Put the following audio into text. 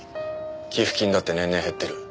寄付金だって年々減ってる。